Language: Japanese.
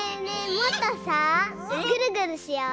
もっとさぐるぐるしよう！